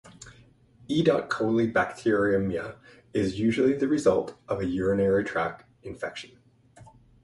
E dot coli bacteremia is usually the result of a urinary tract infection.